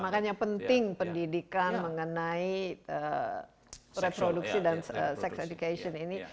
makanya penting pendidikan mengenai reproduksi dan sex education ini